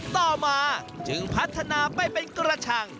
ต่อมาจึงพัฒนาไปเป็นกระชัง